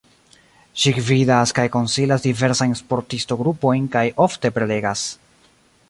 Ŝi gvidas kaj konsilas diversajn sportisto-grupojn kaj ofte prelegas.